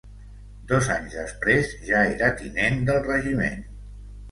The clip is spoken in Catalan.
Dos anys després ja era tinent del regiment.